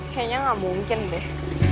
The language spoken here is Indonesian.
kayaknya gak mungkin deh